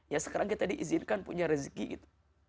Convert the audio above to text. ya sekarang kita diizinkan punya rezeki gitu